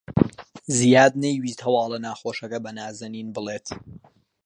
زیاد نەیویست هەواڵە ناخۆشەکە بە نازەنین بڵێت.